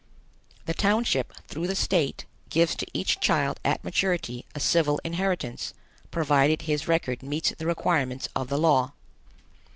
The township, through the state, gives to each child at maturity a civil inheritance, provided his record meets the requirements of the law.